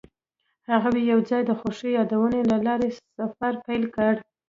هغوی یوځای د خوښ یادونه له لارې سفر پیل کړ.